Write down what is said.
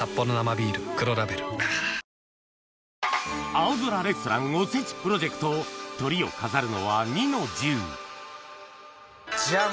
『青空レストラン』おせちプロジェクトトリを飾るのはジャン！